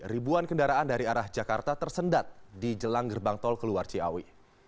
ribuan kendaraan dari arah jakarta tersendat di jelang gerbang tol keluar ciawi